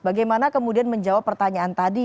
bagaimana kemudian menjawab pertanyaan tadi